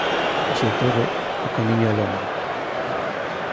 Así e todo, o camiño é longo.